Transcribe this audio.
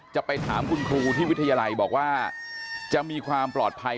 จะไปถามคุณครูที่วิทยาลัยบอกว่าจะมีความปลอดภัย